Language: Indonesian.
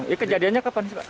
ya kejadiannya kapan sih pak